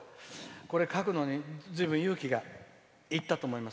これ、書くのにずいぶん勇気がいったと思います。